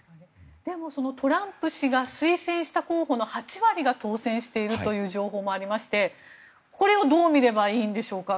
でもトランプ氏が推薦した候補の８割が当選しているという情報もありましてこれをどう見ればいいんでしょうか。